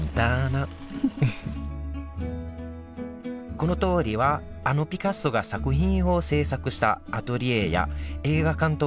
この通りはあのピカソが作品を制作したアトリエや映画監督